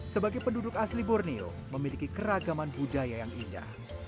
sebagai penduduk asli borneo memiliki keragaman budaya yang indah